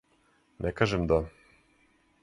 Не кажем да.